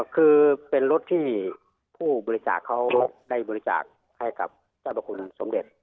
คือเป็นรถที่ผู้บริจาคเขาได้บริจาคให้กับเจ้าพระคุณสมเด็จ